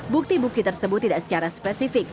bukti bukti tersebut tidak secara spesifik